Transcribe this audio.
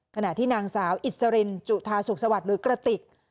ขณะที่นางสาวอิสรินจุธาสุขสวัสดิ์หรือกระติก